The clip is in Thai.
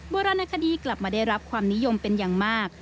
โบราณคดีกลับมาได้รับความนิยมเป็นอย่างมาก